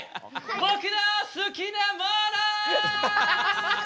「僕の好きなもの」！